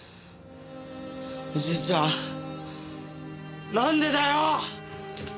おじいちゃんなんでだよ！